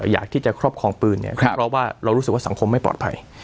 อยากที่จะครอบครองปืนเนี่ยเพราะว่าเรารู้สึกว่าสังคมไม่ปลอดภัย